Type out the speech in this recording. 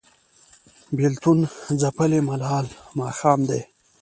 بیلتون ځپلی ملال ماښام دی